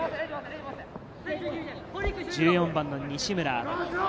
１４番の西村。